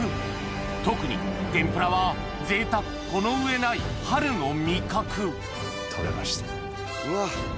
特に天ぷらは贅沢この上ない春の味覚採れました。